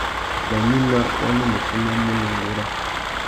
Nà gnïmá, wa nu mù tumamú nà ungura.